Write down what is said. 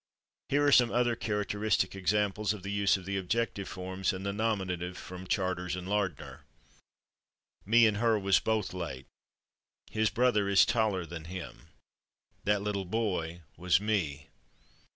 Here are some other characteristic examples of the use of the objective forms in the nominative from Charters and Lardner: /Me/ and /her/ was both late. His brother is taller than /him/. That little boy was /me